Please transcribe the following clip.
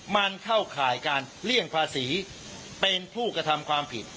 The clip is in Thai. มันเข้าข่ายการเลี่ยงภาษีเป็นผู้กระทำความผิด